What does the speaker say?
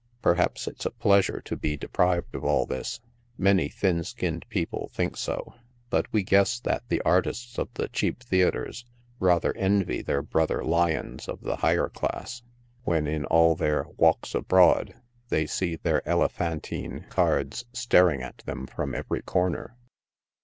Perhaps it's a pleasure to be de prived of all this ; many thin skinned people think so ; but we guess that the artists of the " cheap theatres" rather envy their brother " lions" of the higher class, when, in all their " walks abroad," they see their elephantine cards staring at them from every corner.